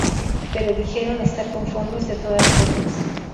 Pero dijeron estar conformes de todas formas.